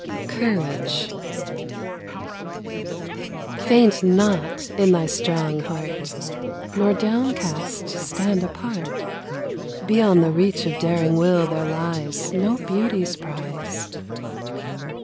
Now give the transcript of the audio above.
COURAGE Faint not in thy strong heart! Nor downcast stand apart; Beyond the reach of daring will there lies No beauty's prize.